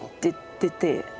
出て。